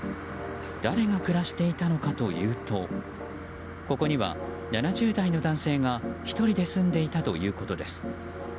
誰が暮らしていたのかというとここには７０代の男性が１人で住んでいたということです。